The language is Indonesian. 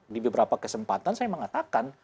di beberapa kesempatan saya mengatakan